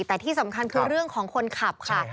แต่ที่สำคัญคือเรื่องของคนขับค่ะ